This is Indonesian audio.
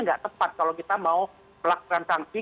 nggak tepat kalau kita mau melakukan sanksi